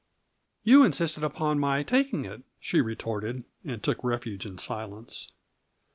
"You insisted upon my taking it," she retorted, and took refuge in silence.